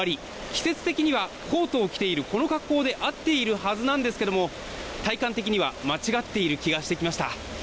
季節的にはコートを着ている、この格好で合っているはずなんですけども体感的には間違っている気がしてきました。